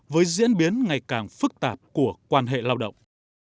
với diễn biến ngày càng phức tạp của quan hệ lao động